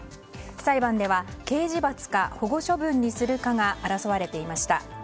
裁判では、刑事罰か保護処分にするかが争われていました。